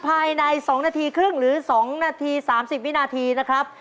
ภายใน๒นาทีครึ่งหรือ๒นาที๓๐วินาทีนะครับ